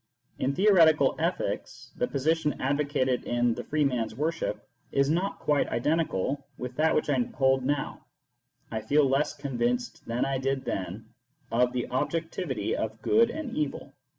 In theoretical Ethics, the position advocated in " The Free Man s Worship " is not quite identical with that which I hold now : I feel less convinced than I did then of the objectivity of good and evil.